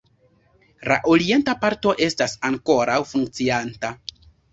La orienta parto estas ankoraŭ funkcianta.